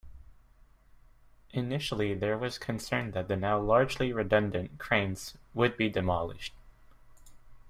Initially there was concern that the now largely redundant cranes would be demolished.